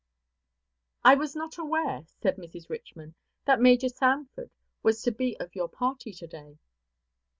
"I was not aware," said Mrs. Richman, "that Major Sanford was to be of your party to day."